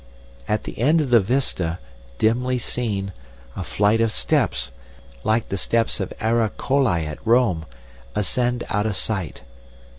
At the end of the vista, dimly seen, a flight of steps, like the steps of Ara Coeli at Rome, ascend out of sight.